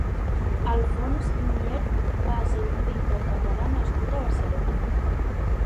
Alfons Mier va ser un pintor catala nascut a Barcelona.